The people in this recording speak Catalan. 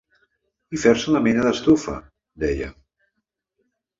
I fer-se una mena d’estufa, deia.